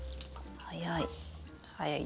早い。